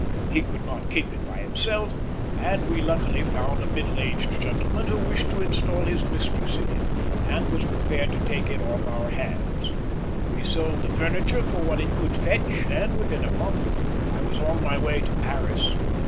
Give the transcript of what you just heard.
He could not keep it by himself, but we luckily found a middle aged gentleman who wished to install his mistress in it, and was prepared to take it off our hands. We sold the furniture for what it could fetch, and within a month I was on my way to Paris.